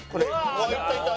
うわあいったいった。